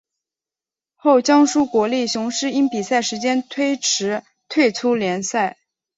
后江苏国立雄狮因比赛时间推迟退出联赛。